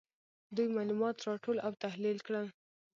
دوی معلومات راټول او تحلیل کړل.